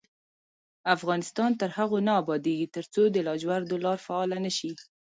افغانستان تر هغو نه ابادیږي، ترڅو د لاجوردو لار فعاله نشي.